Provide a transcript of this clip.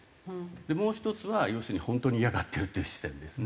もう１つは要するに本当に嫌がってるという視点ですね。